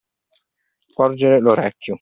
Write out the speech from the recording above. Porgere l'orecchio.